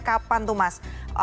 kapan tuh mas